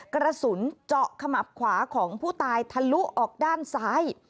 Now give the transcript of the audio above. กระสุนเจาะขมับขวาของผู้ตายทะลุออกด้านซ้าย